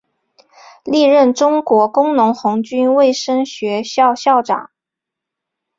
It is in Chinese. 历任中国工农红军卫生学校校长。